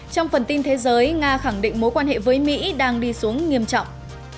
trong phần tin thế giới nga khẳng định mối quan hệ với mỹ đang đi xuống nghiêm trọng